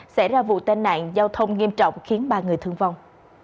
xảy ra vụ tai nạn giao thông nghiêm trọng khiến ba người thương vong